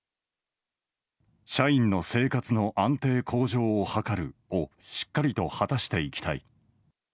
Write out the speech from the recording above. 社員の生活の安定向上を図るをしっかりと果たしていきたい